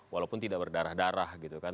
walaupun tidak berdarah darah gitu kan